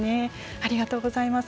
ありがとうございます。